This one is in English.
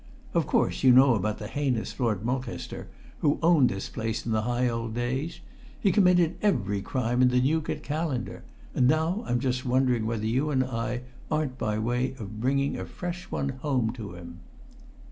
Of course you know about the heinous Lord Mulcaster who owned this place in the high old days? He committed every crime in the Newgate Calendar, and now I'm just wondering whether you and I aren't by way of bringing a fresh one home to him."